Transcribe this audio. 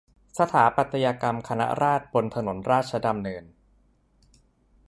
สถาปัตยกรรมคณะราษฎรบนถนนราชดำเนิน